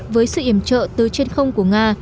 với sự iểm trợ từ trên không của nga